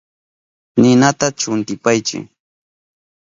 Ninata chuntipaychi.